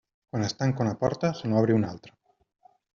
Quan es tanca una porta, se n'obri una altra.